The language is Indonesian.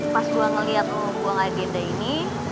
pas gua ngeliat lu buang agenda ini